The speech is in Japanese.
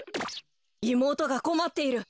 いもうとがこまっている。